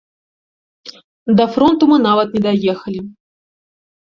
Да фронту мы нават не даехалі.